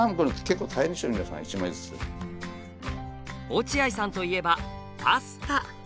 落合さんといえばパスタ。